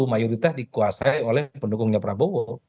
mayoritas dikuasai oleh pendukungnya prabowo